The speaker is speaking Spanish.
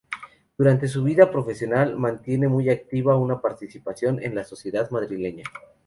Durante su vida profesional mantiene muy activa una participación en la sociedad madrileña.